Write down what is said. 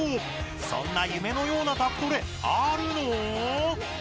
そんな夢のような宅トレあるのー？